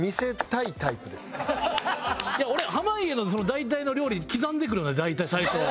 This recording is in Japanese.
濱家の大体の料理刻んでくるよね大体最初。